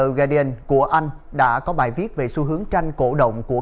một cuộc chiến mới đây tờ báo the guardian của anh đã có bài viết về xu hướng tranh cổ động của